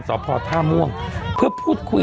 สพท่าม่วงเพื่อพูดคุย